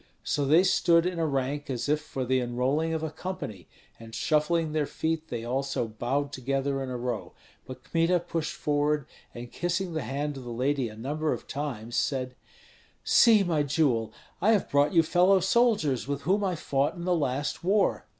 So they stood in a rank as if for the enrolling of a company, and shuffling their feet they also bowed together in a row; but Kmita pushed forward, and kissing the hand of the lady a number of times, said, "See, my jewel, I have brought you fellow soldiers with whom I fought in the last war."